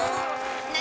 何？